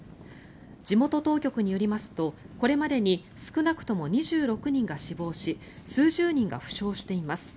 地元当局によりますとこれまでに少なくとも２６人が死亡し数十人が負傷しています。